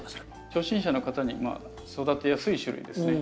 初心者の方にまあ育てやすい種類ですね。